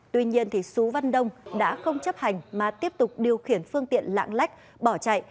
tuy nhiên sú văn đông đã không chấp hành mà tiếp tục điều khiển phương tiện lạng lách bỏ chạy